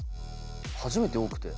初めて多くて。